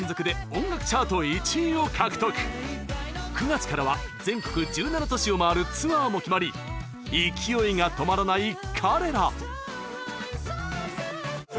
９月からは全国１７都市を回るツアーも決まり勢いが止まらない彼ら。